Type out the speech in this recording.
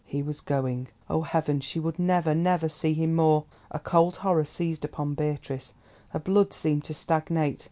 He was going! Oh, heaven! she would never, never see him more! A cold horror seized upon Beatrice, her blood seemed to stagnate.